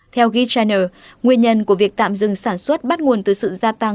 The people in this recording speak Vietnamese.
theo geachannel nguyên nhân của việc tạm dừng sản xuất bắt nguồn từ sự gia tăng